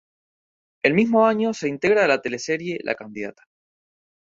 El mismo año se integra a la teleserie "La candidata".